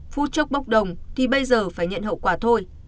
phút chốc bốc đồng thì bây giờ phải nhận hậu quả thôi